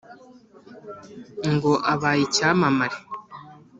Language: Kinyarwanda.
ngo abaye icyamamare